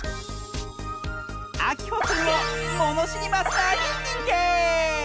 あきほくんをものしりマスターににんてい！